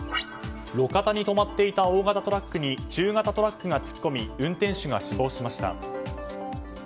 路肩に止まっていた大型トラックに中型トラックが突っ込み運転手が死亡しました。